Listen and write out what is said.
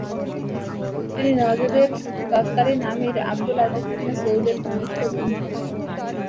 তিনি নজদের তৎকালীন আমির আবদুল আজিজ ইবনে সৌদের ঘনিষ্ঠ বন্ধু হন।